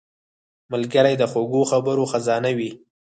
ملګری د خوږو خبرو خزانه وي